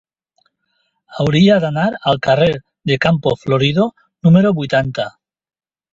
Hauria d'anar al carrer de Campo Florido número vuitanta.